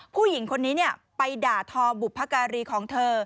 ผู้หญิงคนนี้ไปด่าทอบุพการีของเธอ